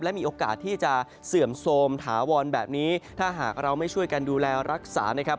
และมีโอกาสที่จะเสื่อมโทรมถาวรแบบนี้ถ้าหากเราไม่ช่วยกันดูแลรักษานะครับ